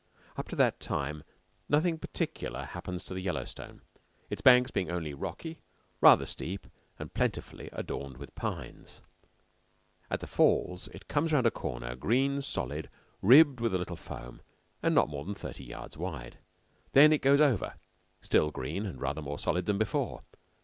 Up to that time nothing particular happens to the Yellowstone its banks being only rocky, rather steep, and plentifully adorned with pines. At the falls it comes round a corner, green, solid, ribbed with a little foam, and not more than thirty yards wide. Then it goes over, still green, and rather more solid than before.